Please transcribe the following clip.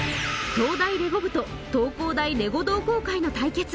東大レゴ部と東工大レゴ同好会の対決